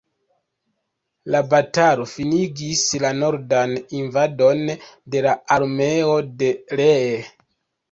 La batalo finigis la nordan invadon de la armeo de Lee.